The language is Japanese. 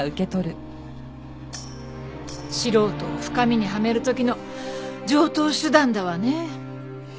素人を深みにはめる時の常套手段だわね。